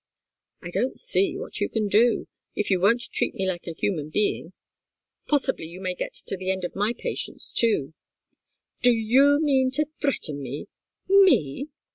"I don't see what you can do, if you won't treat me like a human being. Possibly you may get to the end of my patience, too." "Do you mean to threaten me? Me!"